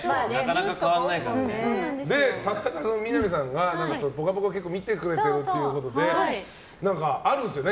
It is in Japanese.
田中みな実さんが「ぽかぽか」を結構見てくれてるということであるんですよね。